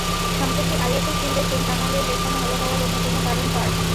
সম্প্রতি আইএফএ শিল্ডে শেখ জামালের খেলা ভালো হওয়ার অন্যতম কারণ টার্ফ।